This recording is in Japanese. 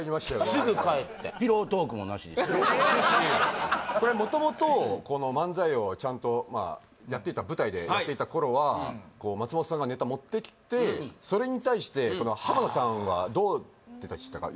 すぐ帰って元々この漫才をちゃんとまあやってた舞台でやってた頃は松本さんがネタ持ってきてそれに対して浜田さんはどうでしたか？